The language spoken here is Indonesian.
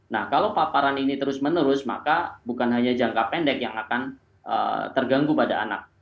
nah kalau paparan ini terus menerus maka bukan hanya jangka pendek yang akan terganggu pada anak